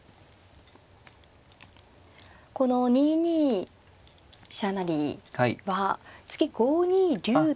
この２二飛車成は次５二竜と。